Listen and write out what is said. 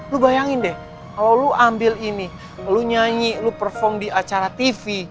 lo bayangin deh kalau lo ambil ini lo nyanyi lo perform di acara tv